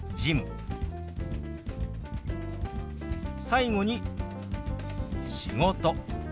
最後に「仕事」。